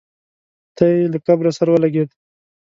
تی یې له قبر سره ولګېدی.